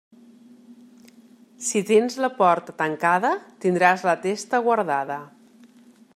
Si tens la porta tancada, tindràs la testa guardada.